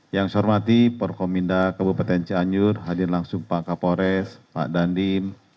yang saya hormati porkominda kabupaten cianjur hadir langsung pak kapolres pak dandim